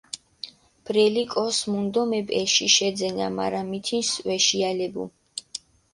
ბრელი კოს მუნდომებ, ეში შეძენა, მარა მითინს ვეშიალებუ.